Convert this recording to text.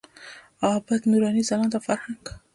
عابد، نوراني، ځلاند او فرهنګ.